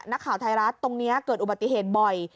นักข่าวไทยรัฐตรงนี้เกิดอุบัติเหตุบ่อย